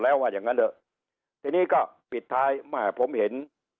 แล้วว่าอย่างงั้นเถอะทีนี้ก็ปิดท้ายแม่ผมเห็น